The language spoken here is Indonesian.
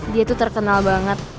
dia tuh terkenal banget